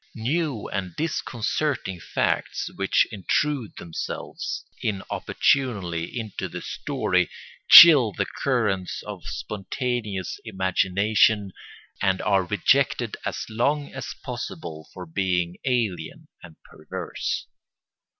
New and disconcerting facts, which intrude themselves inopportunely into the story, chill the currents of spontaneous imagination and are rejected as long as possible for being alien and perverse.